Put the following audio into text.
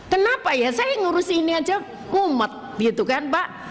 kenapa ya saya ngurus ini aja umat gitu kan pak